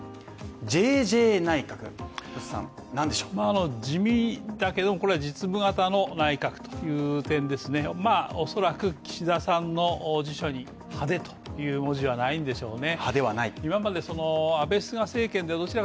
ＪＪ内閣府なんでしょうあの地味だけどこれは実務型の内閣という点ですね、おそらく岸田さんの辞書に派手という文字はないんでしょうね